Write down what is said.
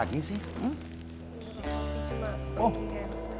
waduh kamu parah banget sayang